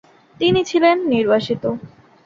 তিনি ছিলেন নির্বাসিত।